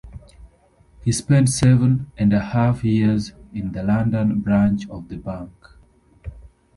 He spent seven and a half years in the London branch of the bank.